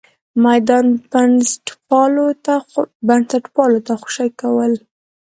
میدان بنسټپالو ته خوشې کول.